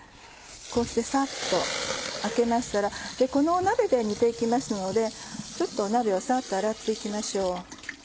こうしてさっとあけましたらこの鍋で煮て行きますのでちょっと鍋をさっと洗って行きましょう。